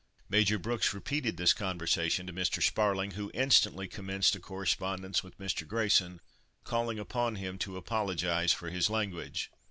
Major Brooks repeated this conversation to Mr. Sparling, who instantly commenced a correspondence with Mr. Grayson, calling upon him to apologise for his language.